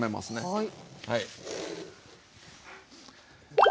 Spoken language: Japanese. はい。